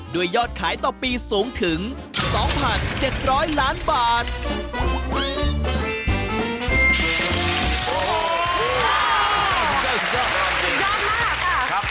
ยอดขายต่อปีสูงถึง๒๗๐๐ล้านบาท